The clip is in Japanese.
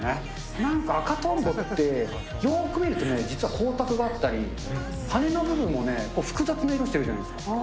なんか赤とんぼって、よーく見るとね、実は光沢があったり、羽根の部分もね、複雑な色してるじゃないですか。